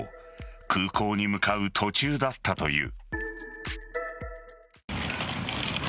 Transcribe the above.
空港に向かう途中だったという。